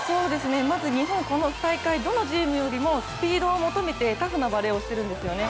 まず日本、この大会どのチームよりもスピードを求めてタフなバレーをしてるんですよね。